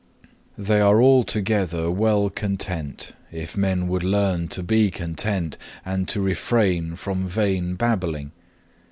8. "They are altogether well content, if men would learn to be content, and to refrain from vain babbling.